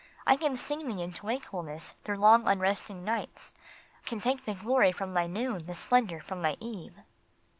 I can sting thee into wakefulness through long, unresting nights ; Can take the glory from thy noon, the splendor from thy eve."